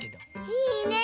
いいね！